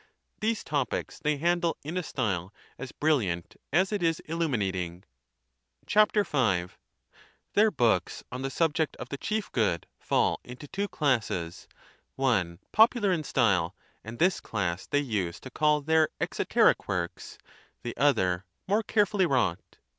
These topics they handle in a style as brilliant as it is illuminating. i V. "Their books on the subject of the Chief oivt Good fall into two classes, one popular in style, and sdhooi « this class they used to call their exoteric works; the ^ other more carefully wrought.'